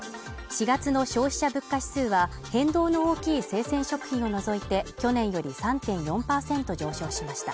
４月の消費者物価指数は、変動の大きい生鮮食品を除いて、去年より３．４％上昇しました。